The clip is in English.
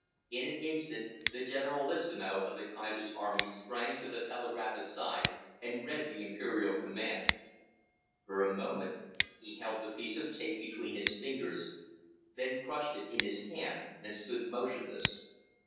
In an instant the Generalissimo of the Kaiser's army sprang to the telegraphist's side and read the Imperial command. For a moment he held the piece of tape between his fingers, then crushed it in his hand and stood motionless.